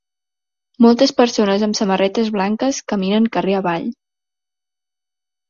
Moltes persones amb samarretes blanques caminen carrer avall